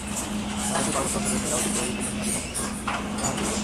বাংলাদেশের পার্বত্য-অঞ্চলের মেয়েরা ঐতিহ্যবাহী পিনন খাদি কাপড় পরে অনুষ্ঠান আলোকিত করেন।